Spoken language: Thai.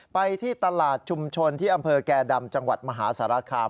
ไปที่ตลาดชุมชนที่อำเภอแก่ดำจังหวัดมหาสารคาม